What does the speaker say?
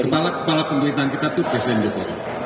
kepala kepala pemerintahan kita itu presiden jokowi